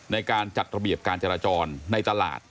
ในการจัดระเบียบการจราจรในตลาด